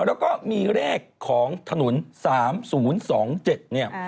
แล้วก็มีเลขของถนน๓๐๒๗เนี่ย